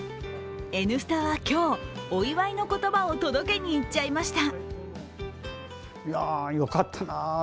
「Ｎスタ」は今日、お祝いの言葉を届けにいっちゃいました。